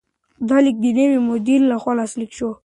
دا لیک د نوي مدیر لخوا لاسلیک شو.